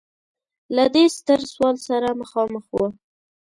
له دې ستر سوال سره مخامخ و.